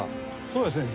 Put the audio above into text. そうですね。